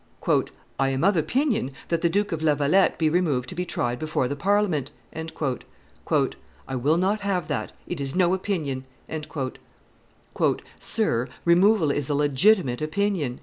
"I am of opinion that the Duke of La Valette be removed to be tried before the Parliament." "I will not have that; it is no opinion." "Sir, removal is a legitimate opinion."